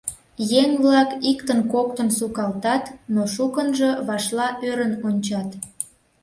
Еҥ-влак иктын-коктын сукалтат, но шукынжо вашла ӧрын ончат.